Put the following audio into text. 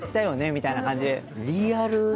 みたいな感じで。